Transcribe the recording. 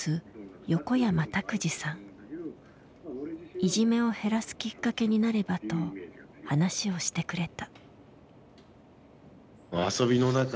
いじめを減らすきっかけになればと話をしてくれた。